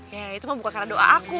ya itu mah bukan karena doa aku